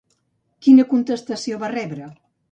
Quina contestació va rebre?